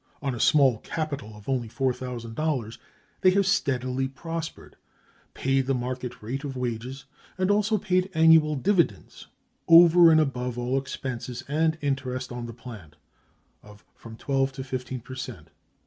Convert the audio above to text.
On a small capital of only $4,000 they have steadily prospered, paid the market rate of wages, and also paid annual dividends, over and above all expenses and interest on the plant, of from twelve to fifteen per cent.